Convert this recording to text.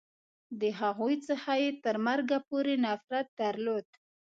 د هغوی څخه یې تر مرګه پورې نفرت درلود.